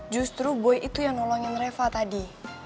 justru boy itu yang nolongin reva tadi